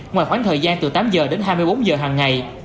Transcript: ngoài khoảng thời gian từ tám giờ đến hai mươi bốn giờ hằng ngày